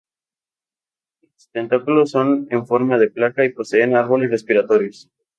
Los tentáculos son en forma de placa y poseen árboles respiratorios.